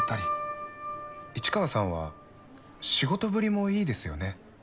市川さんは仕事ぶりもいいですよね。